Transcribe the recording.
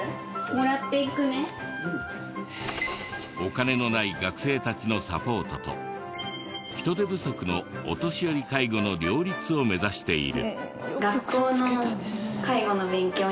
お金のない学生たちのサポートと人手不足のお年寄り介護の両立を目指している。